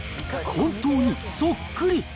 本当にそっくり。